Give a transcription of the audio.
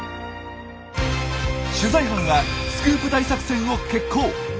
取材班はスクープ大作戦を決行。